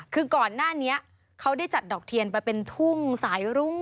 คือก่อนหน้านี้เขาได้จัดดอกเทียนไปเป็นทุ่งสายรุ้ง